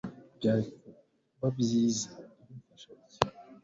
Byari kuba byiza iyo umfasha bike.